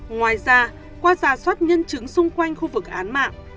ngoài ra qua giả soát nhân chứng xung quanh khu vực án mạng